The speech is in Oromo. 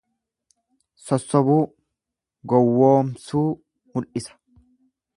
Sossobuu, Gowwoomsuu mul'isa.